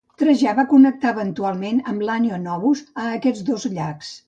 Trajà va connectar eventualment l'Anio Novus a aquests dos llacs.